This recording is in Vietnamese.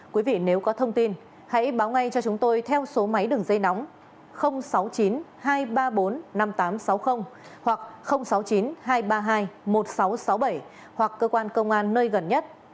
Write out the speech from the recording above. quý vị nếu có thông tin hãy báo ngay cho chúng tôi theo số máy đường dây nóng sáu mươi chín hai trăm ba mươi bốn năm nghìn tám trăm sáu mươi hoặc sáu mươi chín hai trăm ba mươi hai một nghìn sáu trăm sáu mươi bảy hoặc cơ quan công an nơi gần nhất